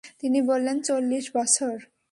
তিনি বললেন, চল্লিশ বছর।